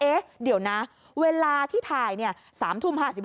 เอ๊ะเดี๋ยวนะเวลาที่ถ่าย๓ทุ่ม๕๖